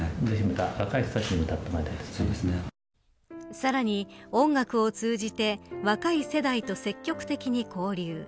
さらに音楽を通じて若い世代と積極的に交流。